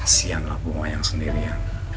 kasianlah bu mayang sendirian